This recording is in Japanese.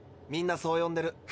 みんなそう呼んでる。